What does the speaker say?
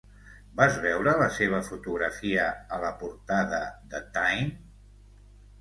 Vas veure la seva fotografia a la portada de Time?